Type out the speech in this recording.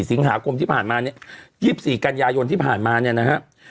สิงหาคมที่ผ่านมาเนี่ย๒๔กันยายนที่ผ่านมาเนี่ยนะฮะ